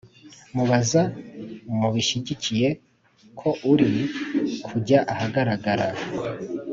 muzaba mushyigikiye ko ukuri kujya ahagaragara.